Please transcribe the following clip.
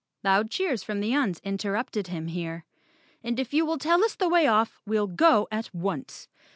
Loud cheers from the Uns interrupted him here. "And if you will tell us the way off we'll go at once."